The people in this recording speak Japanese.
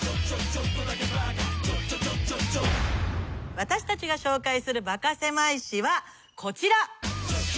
私たちが紹介するバカせまい史はこちら。